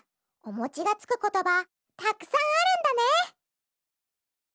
おもちがつくことばたくさんあるんだね。